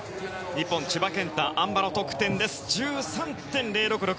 日本、千葉健太あん馬の得点は１３．０６６。